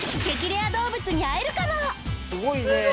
レア動物に会えるかもえ！